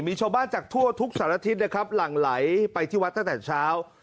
มีชาวบ้านจากทั่วทุกสารทิศนะครับหลั่งไหลไปที่วัดตั้งแต่เช้า